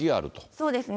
そうですね。